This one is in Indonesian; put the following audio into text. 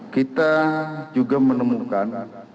kita juga menemukan